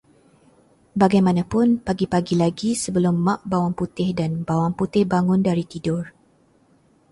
Bagaimanapun pagi-pagi lagi sebelum Mak Bawang Putih dan Bawang Putih bangun dari tidur